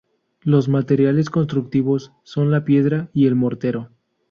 Los materiales constructivos son la piedra y el mortero.